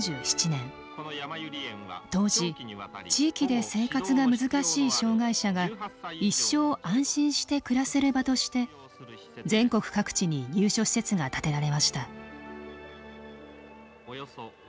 当時「地域で生活が難しい障害者が一生安心して暮らせる場」として全国各地に入所施設が建てられました。